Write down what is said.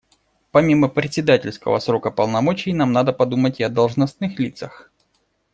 Помимо председательского срока полномочий нам надо подумать и о должностных лицах.